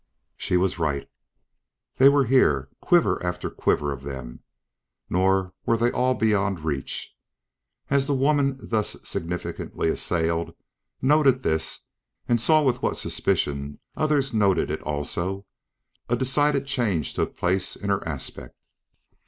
She was right. They were here, quiver after quiver of them; nor were they all beyond reach. As the woman thus significantly assailed noted this and saw with what suspicion others noted it also, a decided change took place in her aspect.